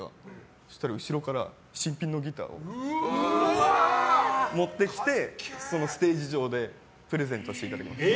そしたら後ろから新品のギターを持ってきてステージ上でプレゼントしていただきました。